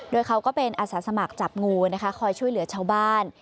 โดยเขาก็เป็นอาสาสมัครจับงูนะคะคอยช่วยเหลือชาวบ้าน